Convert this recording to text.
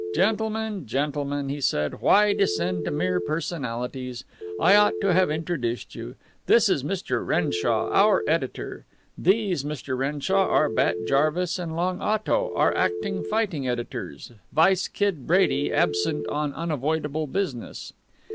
"Gentlemen, gentlemen," he said, "why descend to mere personalities? I ought to have introduced you. This is Mr. Renshaw, our editor. These, Mr. Renshaw, are Bat Jarvis and Long Otto, our acting fighting editors, vice Kid Brady, absent on unavoidable business."